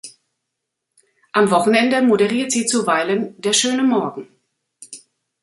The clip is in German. Am Wochenende moderiert sie zuweilen "Der schöne Morgen".